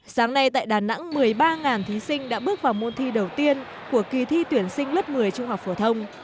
sáng nay tại đà nẵng một mươi ba thí sinh đã bước vào môn thi đầu tiên của kỳ thi tuyển sinh lớp một mươi trung học phổ thông